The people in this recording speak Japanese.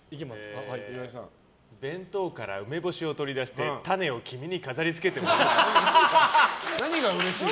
弁当から梅干しを取り出して種を君に飾り付けてもいい？